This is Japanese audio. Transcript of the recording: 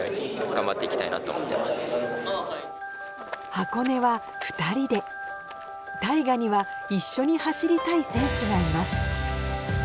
箱根は２人で大翔には一緒に走りたい選手がいます